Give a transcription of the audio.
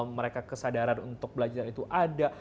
mereka kesadaran untuk belajar itu ada